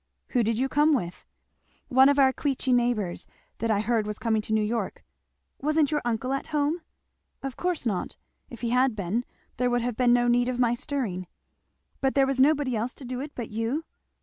"Who did you come with?" "One of our Queechy neighbours that I heard was coming to New York." "Wasn't your uncle at home?" "Of course not. If he had been, there would have been no need of my stirring." "But was there nobody else to do it but you?"